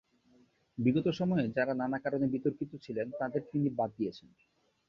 বিগত সময়ে যাঁরা নানা কারণে বিতর্কিত ছিলেন, তাঁদের তিনি বাদ দিয়েছেন।